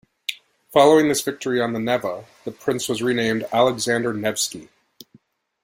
Following this victory on the Neva, the prince was renamed Alexander Nevsky.